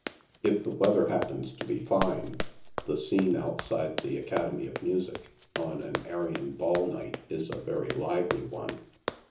If the weather happens to be fine, the scene outside the Academy of Music, on an Arion Ball night, is a very lively one.